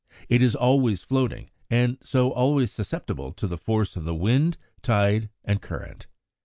It is always floating, and so always susceptible to the force of wind, tide, and current.